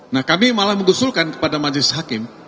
nah kami malah mengusulkan kepada majelis hakim